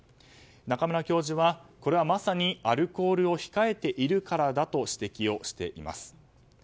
中村教授は、これはまさにアルコールを控えているからだと指摘をしています。